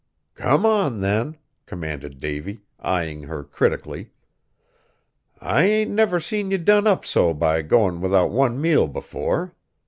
"Come on, then!" commanded Davy, eyeing her critically; "I ain't never seen ye so done up by goin' without one meal before.